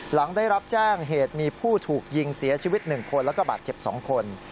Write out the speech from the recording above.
หลังได้รับแจ้งเหตุมีผู้ถูกยิงเสียชีวิต๑คนแล้วก็บาดเจ็บ๒คน